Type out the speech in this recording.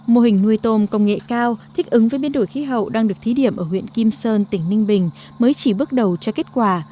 mô hình nuôi tôm công nghệ cao thích ứng với biến đổi khí hậu đang được thí điểm ở huyện kim sơn tỉnh ninh bình mới chỉ bước đầu cho kết quả